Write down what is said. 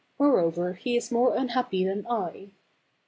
Moreover, he is more unhappy than I.